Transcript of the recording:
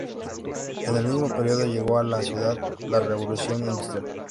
En el mismo período llegó a la ciudad la Revolución Industrial.